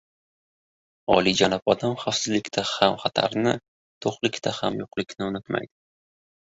— Oliyjanob odam xavfsizlikda ham xatarni, to‘qlikda ham yo‘qlikni unutmaydi.